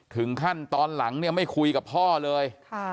ถึงขั้นตอนหลังไม่คุยกับพ่อเลย